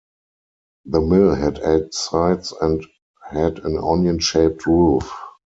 The mill had eight sides and had an onion-shaped roof.